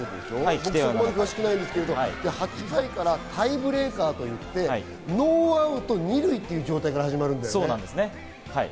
そこまで詳しくないんですけど、８回からタイブレークといって、ノーアウト２塁という状態から始まるんだよね。